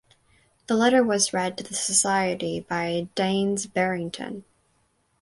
The letter was read to the society by Daines Barrington.